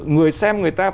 người xem người ta